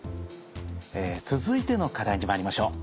続いての課題に参りましょう。